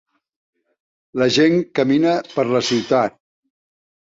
La gent camina per la ciutat.